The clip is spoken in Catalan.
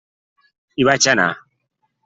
Hi vaig anar.